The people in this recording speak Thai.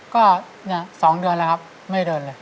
ก็๒เดือนแล้วครับไม่เดินเลย